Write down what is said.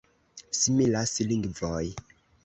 Similas lingvoj.